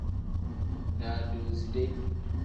Daadoside.